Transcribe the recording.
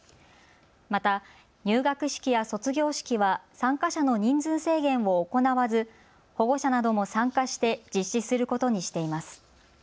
また入学式や卒業式は参加者の人数制限を行わず保護者なども参加して実施することにしています。